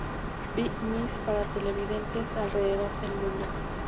Be Miss para televidentes alrededor del mundo.